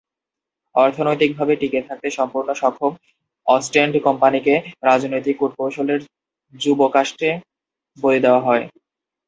অর্থনৈতিকভাবে টিকে থাকতে সম্পূর্ণ সক্ষম অস্টেন্ড কোম্পানিকে রাজনৈতিক কূটকৌশলের যুপকাষ্ঠে বলি দেওয়া হয়।